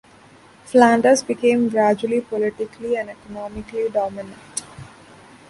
Flanders became gradually politically and economically dominant.